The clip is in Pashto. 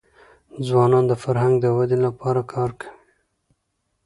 ځوانان د فرهنګ د ودې لپاره کار کوي.